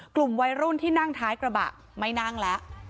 กลุ่มวัยรุ่นที่นั่งท้ายกระบะไม่นั่งแล้ว